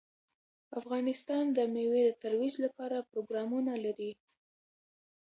افغانستان د مېوې د ترویج لپاره پروګرامونه لري.